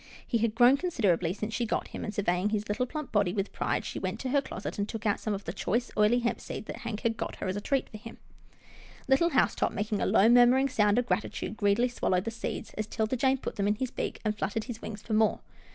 He had grown considerably since she got him, and, surveying his little plump body with pride, she went to her closet, and took out some of the choice, oily hemp seed that Hank had got her as a treat for him. 162 'TILDA JANE'S ORPHANS Little Housetop, making a low murmuring sound of gratitude, greedily swallowed the seeds as 'Tilda Jane put them in his beak, and fluttered his wings for more.